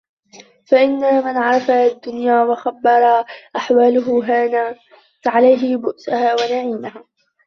فَإِنَّ مَنْ عَرَفَ الدُّنْيَا وَخَبَرَ أَحْوَالَهَا هَانَ عَلَيْهِ بُؤْسُهَا وَنَعِيمُهَا